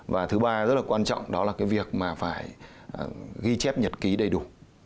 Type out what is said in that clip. và thứ ba rất quan trọng đó là việc phải ghi chép nhật ký đầy đủ